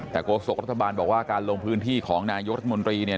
แต่โฆษกรัฐบาลบอกว่าการลงพื้นที่ของนายกรัฐมนตรีเนี่ย